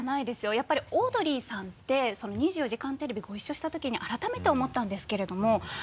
やっぱりオードリーさんって「２４時間テレビ」ご一緒した時に改めて思ったんですけれども。